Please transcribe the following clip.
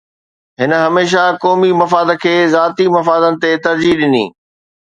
هن هميشه قومي مفاد کي ذاتي مفادن تي ترجيح ڏني